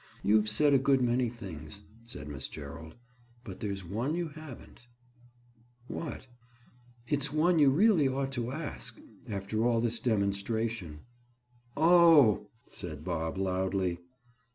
"You've said a good many things," said Miss Gerald. "But there's one you haven't." "What?" "It's one you really ought to ask, after all this demonstration." "Oh!" said Bob loudly.